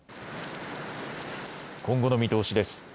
今後の見通しです。